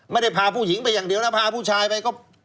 ไม่ได้พาผู้หญิงไปอย่างเดียวนะพาผู้ชายไปก็